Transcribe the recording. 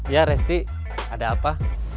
ya resti ada apa